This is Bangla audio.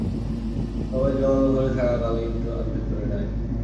তবে জল ভরে থাকাকালীন তো আর ভেতরে যাইনি।